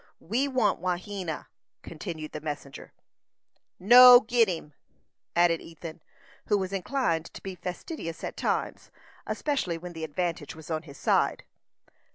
We want Wahena," continued the messenger. "No git him," added Ethan, who was inclined to be facetious at times, especially when the advantage was on his side.